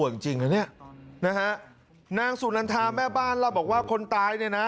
นะฮะนางสุนัทธาแม่บ้านเราบอกว่าคนตายเนี่ยนะ